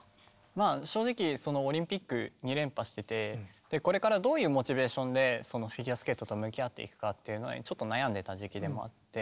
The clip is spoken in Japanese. まあ正直オリンピック２連覇しててこれからどういうモチベーションでフィギュアスケートと向き合っていくかっていうのにちょっと悩んでた時期でもあって。